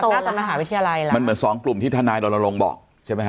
น่าจะมหาวิทยาลัยแล้วมันเหมือนสองกลุ่มที่ทนายรณรงค์บอกใช่ไหมฮ